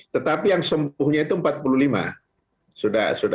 tetapi yang sembuhnya itu empat puluh lima